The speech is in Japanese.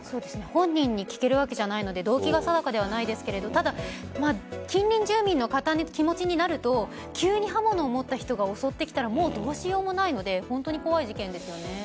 本人に聞けるわけじゃないので動機が定かではないんですがただ、近隣住民の気持ちになると急に刃物を持った人が襲ってきたらもうどうしようもないので本当に怖い事件ですよね。